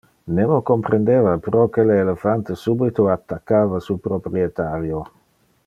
Nemo comprendeva proque le elephante subito attaccava su proprietario.